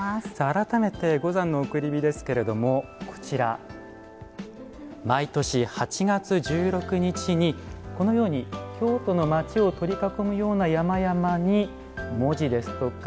改めて五山の送り火ですけれども毎年８月１６日にこのように、京都の町を取り囲むような山々に文字ですとか